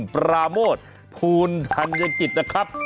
ปราโมทภูลธัญกิจนะครับ